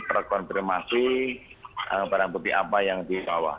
belum terkonfirmasi barang putih apa yang dibawa